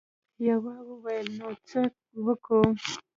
يوه وويل: نو څه وکو؟